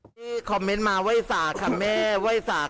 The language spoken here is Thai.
พี่บอกว่าบ้านทุกคนในที่นี่